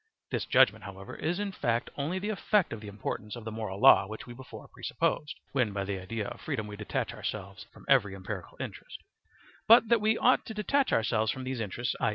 This judgement, however, is in fact only the effect of the importance of the moral law which we before presupposed (when by the idea of freedom we detach ourselves from every empirical interest); but that we ought to detach ourselves from these interests, i.